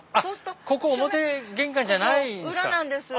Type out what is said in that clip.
ここ表玄関じゃないんですか。